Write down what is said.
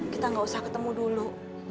kita nggak usah ketemu dulu